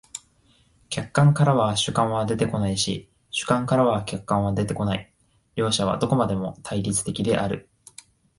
客観からは主観は出てこないし、主観からは客観は出てこない、両者はどこまでも対立的である。